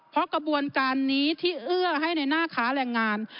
เพราะกระบวนการนี้ที่เอื้อให้ในหน้าค้าแรงงาน